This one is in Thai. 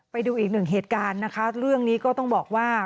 ไปดูอีกหนึ่งเหตุการณ์นะคะเรื่องนี้ก็ต้องบอกว่า